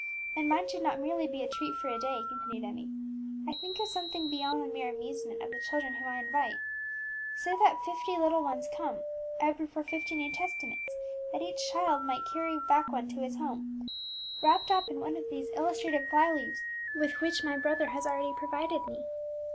"And mine should not merely be a treat for a day," continued Emmie; "I think of something beyond the mere amusement of the children whom I invite. Say that fifty little ones come; I would procure fifty New Testaments, that each child might carry back one to his home, wrapped up in one of these illustrated fly leaves with which my brother has already provided me."